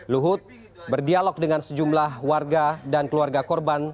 luhut berdialog dengan sejumlah warga dan keluarga korban